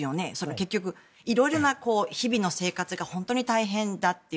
結局、いろいろな日々の生活が本当に大変だという。